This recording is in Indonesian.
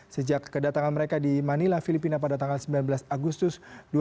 sejak kedatangan mereka di manila filipina pada tanggal sembilan belas agustus dua ribu dua puluh